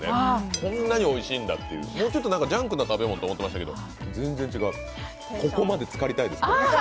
こんなにおいしいんだって、もうちょっとジャンクな食べ物だと思ってましたが全然違う、ここまでつかりたいです